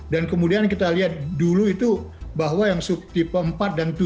kemudian kita lihat dulu itu bahwa yang tipe empat dan tujuh